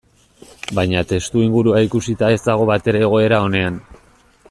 Baina testuingurua ikusita ez dago batere egoera onean.